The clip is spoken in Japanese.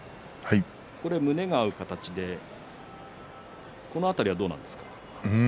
胸が合う形でこの辺りはどうなんですか。